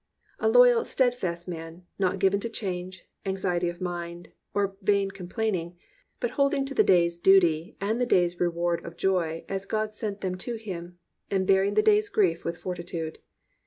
A loyal, steadfast man, not given to change, anx iety of mind, or vain complaining, but holding to the day's duty and the day's reward of joy as God sent them to him, and bearing the day's grief with fortitude.